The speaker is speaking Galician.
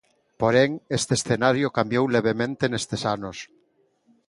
Porén, este escenario cambiou levemente nestes anos.